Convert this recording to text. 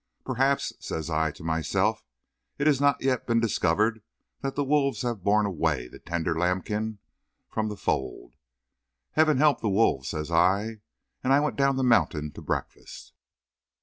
"Perhaps," says I to myself, "it has not yet been discovered that the wolves have borne away the tender lambkin from the fold. Heaven help the wolves!" says I, and I went down the mountain to breakfast.